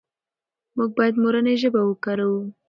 موږ باید مورنۍ ژبه وکاروو.